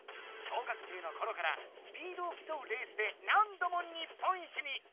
小学生の頃からスピードを競うレースで何度も日本一に。